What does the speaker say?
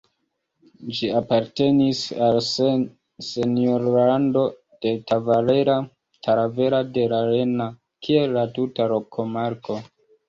Ĝi apartenis al la senjorlando de Talavera de la Reina, kiel la tuta komarko.